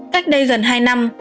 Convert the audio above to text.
cách đây gần hai năm